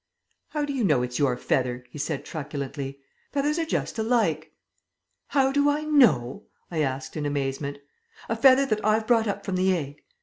"How do you know it's your feather?" he said truculently. "Feathers are just alike." "How do I know?" I asked in amazement. "A feather that I've brought up from the egg?